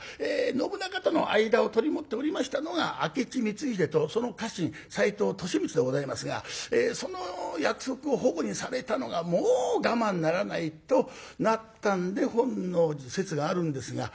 信長との間を取り持っておりましたのが明智光秀とその家臣斎藤利三でございますがその約束を反古にされたのがもう我慢ならないとなったんで本能寺説があるんですが。